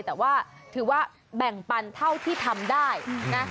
แต่ว่าถือว่าแบ่งปันเท่าที่ทำได้นะ